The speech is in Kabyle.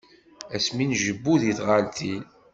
Ass mi njebbu di tɣaltin.